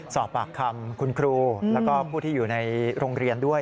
สอบปากคำคุณครูแล้วก็ผู้ที่อยู่ในโรงเรียนด้วย